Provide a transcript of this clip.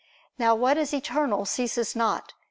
Now what is eternal ceases not.